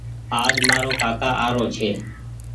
آج مآرو ڪآڪآ آرو ڇي